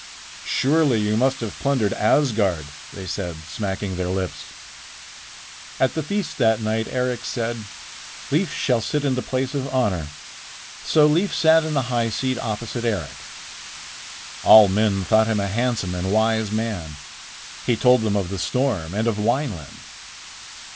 "Surely you must have plundered Asgard," they said, smacking their lips. At the feast that night Eric said: "Leif shall sit in the place of honor." So Leif sat in the high seat opposite Eric. All men thought him a handsome and wise man. He told them of the storm and of Wineland.